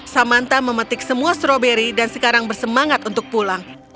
samanta memetik semua stroberi dan sekarang bersemangat untuk pulang